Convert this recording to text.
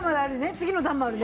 次の段もあるね。